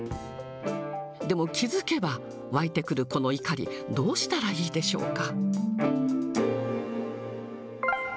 でも気付けば湧いてくるこの怒り、どうしたらいいでしょうか。